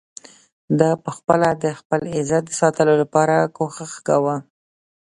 ده په خپله د خپل عزت د ساتلو لپاره کوشش کاوه.